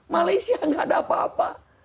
malaysia gak ada apa apa